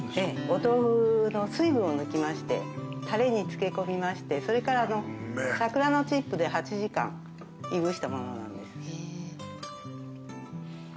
お豆腐の水分を抜きましてたれに漬け込みましてそれから桜のチップで８時間いぶしたものなんです。